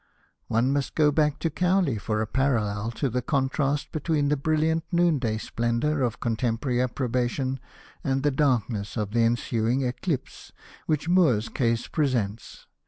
One must go back to Cowley for a parallel to the contrast between the brilliant noonday splendour of contemporary approbation and the darkness of the ensuing eclipse which Moore's case presents.